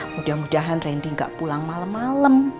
mudah mudahan randy gak pulang malem malem